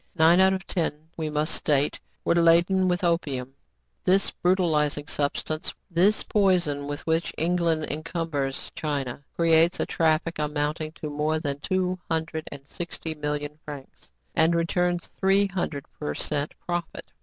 Nine out of ten, we must state, were laden with opium. This brutalizing substance, this poison with which England encum bers China, creates a traffic amounting to more than two hundred and sixty million francs, and returns three hundred per cent profit.